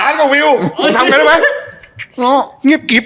เงียบเงียบเกี๊บ